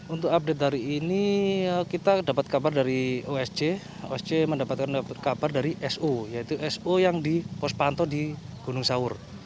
untuk update dari ini kita dapat kabar dari osj osj mendapatkan kabar dari so yaitu so yang di pos panto di gunung saur